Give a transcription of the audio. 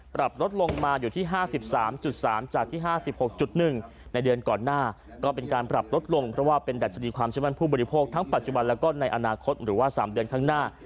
ปรับลดลงมาอยู่ที่๕๓๓จากที่๕๖๑ในเดือนก่อนหน้าก็เป็นการปรับลดลงเพราะว่าเป็นดัชนีความเชื่อมั่นผู้บริโภคทั้งปัจจุบันแล้วก็ในอนาคตหรือว่า๓เดือนข้างหน้า